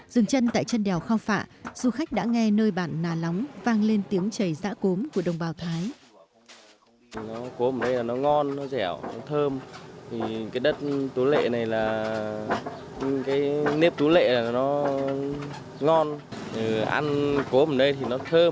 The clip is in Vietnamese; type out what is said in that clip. dừng chân tại chân đèo khao phạ du khách đã nghe nơi bản nà lóng vang lên tiếng chảy giã cốm của đồng bào thái